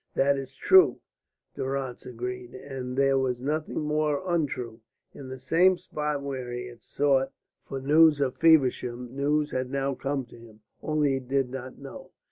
"That is true," Durrance agreed, and there was nothing more untrue. In the same spot where he had sought for news of Feversham news had now come to him only he did not know.